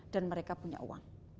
dan mereka punya uang